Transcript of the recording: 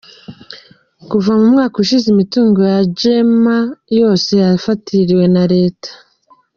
Kuva mu mwaka ushize, imitungo ya Jammeh yose yafatiriwe na leta.